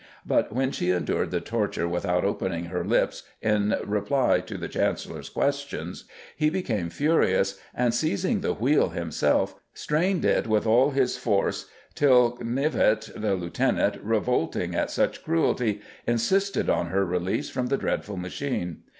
But when she endured the torture without opening her lips in reply to the Chancellor's questions, he became furious, and seizing the wheel himself, strained it with all his force till Knyvett [the Lieutenant], revolting at such cruelty, insisted on her release from the dreadful machine.